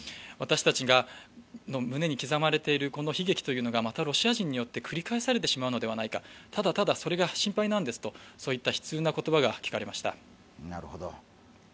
私たちの胸に刻まれているこの悲劇というのがまたロシア人によって繰り返されるのではないかただただそれが心配なんですと、そういった悲痛な言葉が聞かれました。